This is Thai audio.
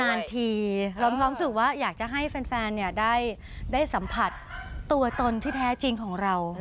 เรามีความรู้สึกว่าอยากจะให้แฟนได้สัมผัสตัวตนที่แท้จริงของเรา